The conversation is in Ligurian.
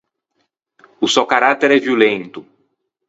O sò carattere violento.